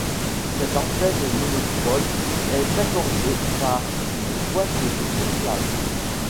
Cette antenne monopôle est accordée par une boîte de couplage.